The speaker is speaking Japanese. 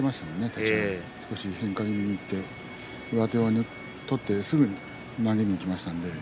立ち合い少し変化気味にいって上手を取ってすぐ投げにいきました。